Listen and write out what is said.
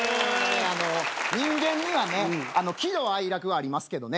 あの人間にはね喜怒哀楽ありますけどね